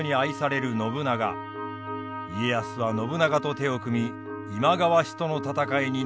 家康は信長と手を組み今川氏との戦いに臨みます。